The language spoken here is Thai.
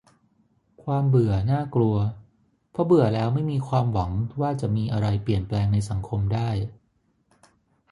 "ความเบื่อน่ากลัว เพราะเบื่อแล้วไม่มีความหวังว่าจะมีอะไรเปลี่ยนแปลงในสังคมได้"